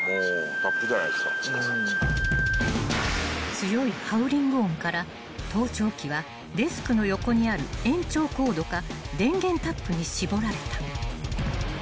［強いハウリング音から盗聴器はデスクの横にある延長コードか電源タップに絞られた］